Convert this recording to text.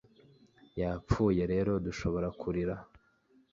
Yapfuye rero ... dushobora kurira.